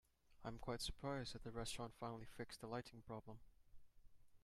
I am quite surprised that the restaurant finally fixed the lighting problem.